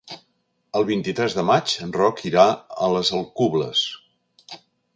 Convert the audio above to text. El vint-i-tres de maig en Roc irà a les Alcubles.